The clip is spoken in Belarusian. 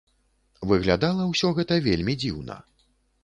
Выглядала ўсё гэта вельмі дзіўна.